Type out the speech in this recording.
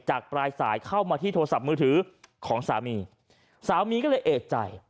ปลายสายเข้ามาที่โทรศัพท์มือถือของสามีสามีก็เลยเอกใจ